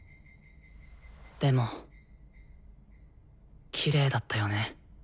でもきれいだったよね。